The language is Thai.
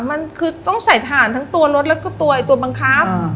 มันคือต้องใส่ถ่านทั้งตัวรถแล้วก็ตัวบังคับ